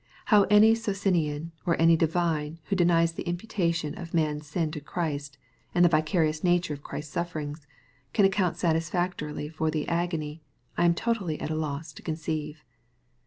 How any Socinian, or any divine who denies the imputation of man's sin to Christ, and the vicarious nature of Christ's sufferings, can account satisfactorily for the agony, I am totally at a loss to conceive.